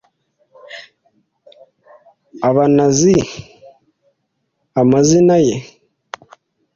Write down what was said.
aba anazi amazina ye